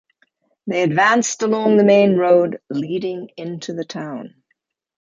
They advanced along the main road leading into the town.